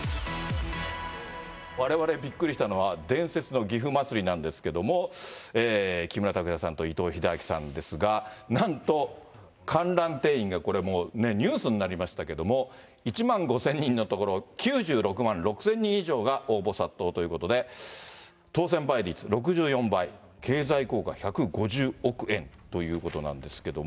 われわれびっくりしたのは、伝説のぎふまつりなんですけども、木村拓哉さんと伊藤英明さんですが、なんと観覧定員がこれ、もうね、ニュースになりましたけど、１万５０００人のところ、９６万６０００人以上が応募殺到ということで、当せん倍率６４倍、経済効果１５０億円ということなんですけども。